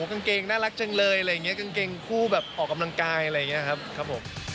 กางเกงน่ารักจังเลยอะไรอย่างนี้กางเกงคู่แบบออกกำลังกายอะไรอย่างนี้ครับครับผม